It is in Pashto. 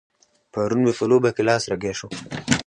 پرون مې په لوبه کې لاس رګی شو.